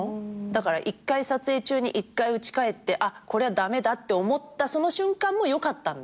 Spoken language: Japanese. だから撮影中に一回うち帰ってあっこりゃ駄目だって思ったその瞬間もよかったんだよねたぶん。